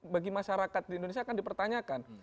bagi masyarakat di indonesia akan dipertanyakan